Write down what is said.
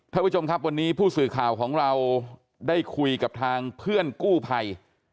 ท่านผู้ชมครับวันนี้ผู้สื่อข่าวของเราได้คุยกับทางเพื่อนกู้ภัย